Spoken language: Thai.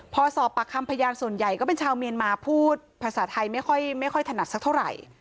พอสอบปากคำพยานส่วนใหญ่ก็เป็นชาวเมียนมาพูดภาษาไทยไม่ค่อยถนัดสักเท่าไหร่